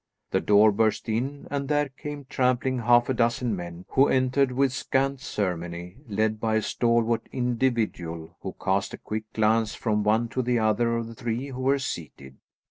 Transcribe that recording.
The door burst in, and there came, trampling, half a dozen men, who entered with scant ceremony, led by a stalwart individual who cast a quick glance from one to the other of the three who were seated.